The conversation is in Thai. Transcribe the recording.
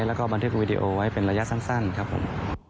แล้วก็บันทึกวีดีโอไว้เป็นระยะสั้นครับผม